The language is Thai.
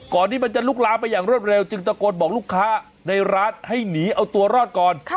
ที่มันจะลุกลามไปอย่างรวดเร็วจึงตะโกนบอกลูกค้าในร้านให้หนีเอาตัวรอดก่อน